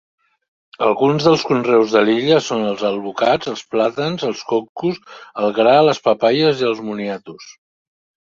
Alguns dels conreus de l'illa són els alvocats, els plàtans, els cocos, el gra, les papaies i els moniatos.